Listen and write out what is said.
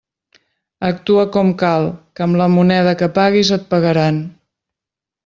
Actua com cal, que amb la moneda que paguis et pagaran.